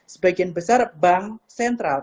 sebagian besar bank sentral